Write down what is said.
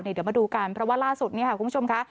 เดี๋ยวมาดูกันเพราะว่าล่าสุดเนี่ยค่ะคุณผู้ชมค่ะ